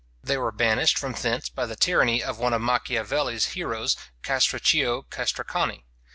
They were banished from thence by the tyranny of one of Machiavel's heroes, Castruccio Castracani.